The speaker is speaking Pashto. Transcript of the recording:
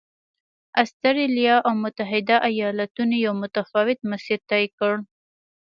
اسټرالیا او متحدو ایالتونو یو متفاوت مسیر طی کړ.